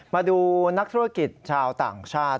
มาดูนักธุรกิจชาวต่างชาติ